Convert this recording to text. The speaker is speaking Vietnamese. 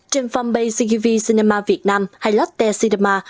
trên fanpage cgv cinema việt nam hay lotte cinema